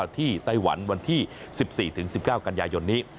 ไต้หวันวันที่๑๔๑๙กันยายนนี้